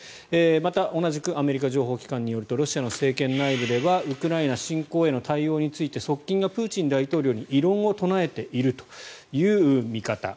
また、同じくアメリカ情報機関によるとロシア政権内部ではウクライナ侵攻への対応について側近がプーチン大統領に異論を唱えているという見方。